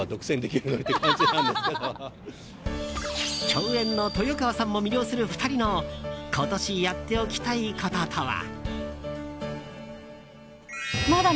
共演の豊川さんも魅了する２人の今年やっておきたいこととは。